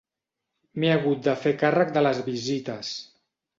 M'he hagut de fer càrrec de les visites.